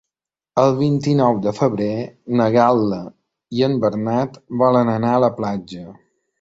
El vint-i-nou de febrer na Gal·la i en Bernat volen anar a la platja.